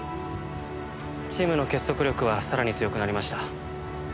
チームの結束力はさらに強くなりました。